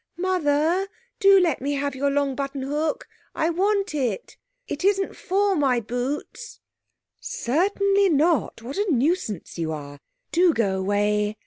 'Mother, do let me have your long buttonhook. I want it. It isn't for my boots.' 'Certainly not. What a nuisance you are! Do go away....